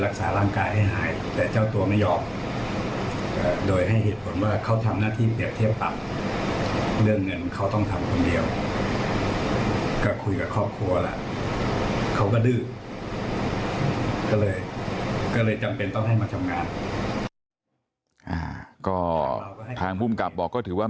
ก็ทางคุมกับบอกก็ถือว่า